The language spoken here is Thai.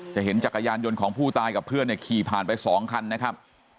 เห็นจักรยานยนต์ของผู้ตายกับเพื่อนเนี่ยขี่ผ่านไป๒คันนะครับ